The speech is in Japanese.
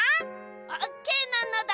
オーケーなのだ。